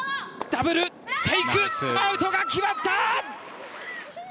ダブルテイクアウトが決まった！